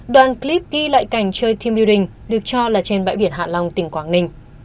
đoàn clip ghi lại cảnh chơi team building được cho là trên bãi biển hạ long tỉnh quảng ninh